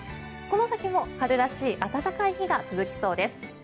この先も春らしい暖かい日が続きそうです。